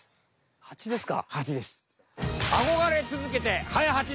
ハチですか。